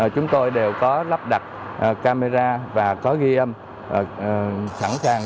chúng tôi đều có lắp đặt camera và có ghi âm sẵn sàng